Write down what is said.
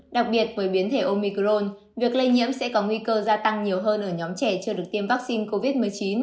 đặc biệt với biến thể omicron việc lây nhiễm sẽ có nguy cơ gia tăng nhiều hơn ở nhóm trẻ chưa được tiêm vaccine covid một mươi chín